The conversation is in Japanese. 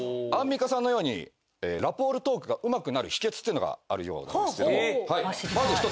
アンミカさんのようにラポールトークがうまくなる秘訣っていうのがあるようなんですけど。